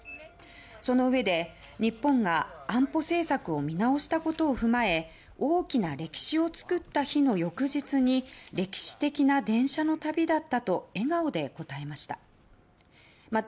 そのうえで、日本が安保政策を見直したことを踏まえ大きな歴史を作った日の翌日に歴史的な電車の旅だったと笑顔で答えました。